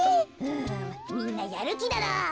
うむみんなやるきだな。